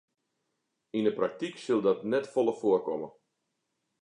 Yn 'e praktyk sil dat net folle foarkomme.